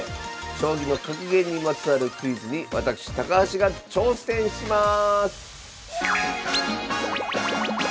将棋の格言にまつわるクイズに私高橋が挑戦します